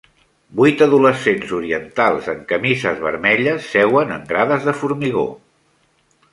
Vuit adolescents orientals en camises vermelles seuen en grades de formigó.